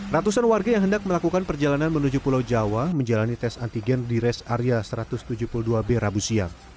ratusan warga yang hendak melakukan perjalanan menuju pulau jawa menjalani tes antigen di res area satu ratus tujuh puluh dua b rabu siang